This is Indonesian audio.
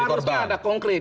harusnya ada konkret